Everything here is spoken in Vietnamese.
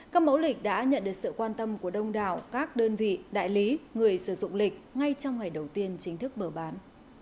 các mẫu lịch đã nhận được sự quan tâm của đông đảo các đơn vị đại lý người sử dụng lịch ngay trong ngày đầu tiên chính thức mở bán